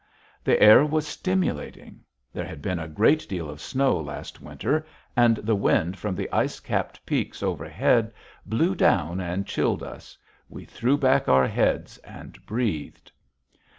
The air was stimulating. There had been a great deal of snow last winter, and the wind from the ice capped peaks overhead blew down and chilled us. We threw back our heads and breathed.